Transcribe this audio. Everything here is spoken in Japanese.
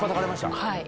はい。